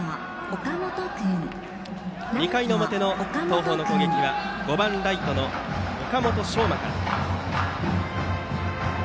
２回表の東邦の攻撃は５番ライトの岡本昇磨から。